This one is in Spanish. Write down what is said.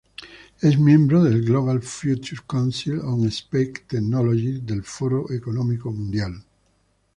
Es miembro del Global "Future Council on Space Technologies" del Foro Económico Mundial.